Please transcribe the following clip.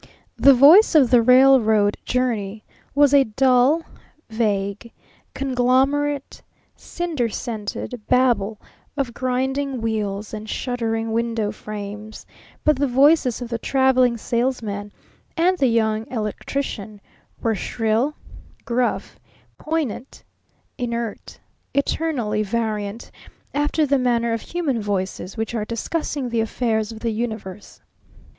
The voice of the Railroad Journey was a dull, vague, conglomerate, cinder scented babble of grinding wheels and shuddering window frames; but the voices of the Traveling Salesman and the Young Electrician were shrill, gruff, poignant, inert, eternally variant, after the manner of human voices which are discussing the affairs of the universe.